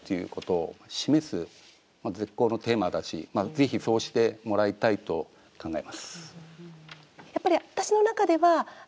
ぜひ、そうしてもらいたいと考えます。